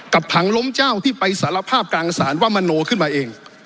ผังล้มเจ้าที่ไปสารภาพกลางศาลว่ามโนขึ้นมาเอง